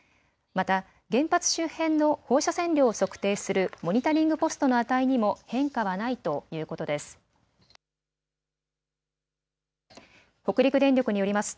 また原発周辺の放射線量を測定するモニタリングポストの値にも変化はないということです。